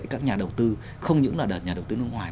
các nhà đầu tư không những là đợt nhà đầu tư nước ngoài